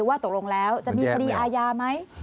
ว่าตกลงแล้วจะมีคดีอาญาไหม